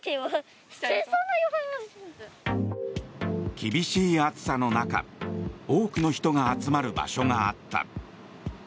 厳しい暑さの中多くの人が集まる場所があった。